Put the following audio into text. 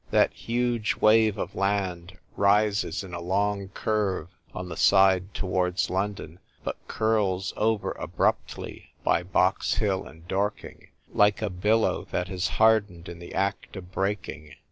That huge wave of land rises in a long curve on the side towards London, but curls over abruptly by Box Hill and Dorking, like a billow that has hardened in the act of break ing.